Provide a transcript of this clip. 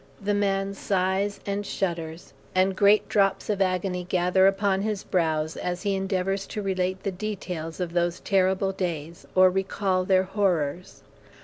The man sighs and shudders, and great drops of agony gather upon his brows as he endeavors to relate the details of those terrible days, or recall their horrors.